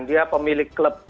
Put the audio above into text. dia pemilik klub